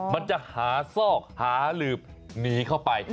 มันจะหาซอกหาหลืบหนีเข้าไป